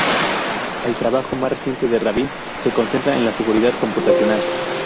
El trabajo más reciente de Rabin se concentra en la seguridad computacional.